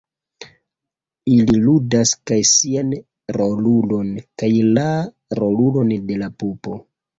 Ili ludas kaj sian rolulon kaj la rolulon de la pupo.